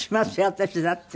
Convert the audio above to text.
私だって。